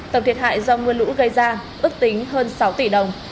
tổng thiệt hại do mưa lũ gây ra ước tính hơn sáu tỷ đồng